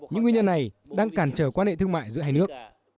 những nguyên nhân này đang cản trở quan hệ thương mại giữa hai nước